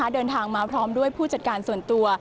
เดินทางมาพร้อมด้วยผู้จัดการส่วนตัว